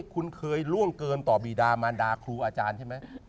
คุณเคยล่วงเกินต่อบีดามารดาครูอาจารย์ใช่ไหม